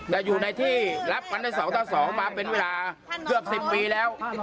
และอยู่ในที่รับวันทั้งสองเต้าสองมาเป็นเวลาเกือบสิบปีแล้ว